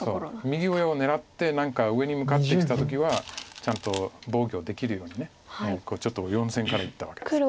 右上を狙って何か上に向かってきた時はちゃんと防御できるようにちょっと４線からいったわけです。